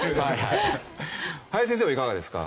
林先生はいかがですか？